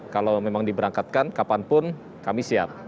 kalau memang diberangkatkan kapanpun kami siap